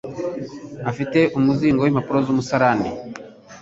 Ufite umuzingo wimpapuro zumusarani?